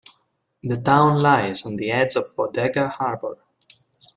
The town lies on the edge of Bodega Harbor.